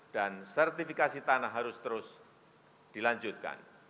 sertifikasi tanah harus terus dilanjutkan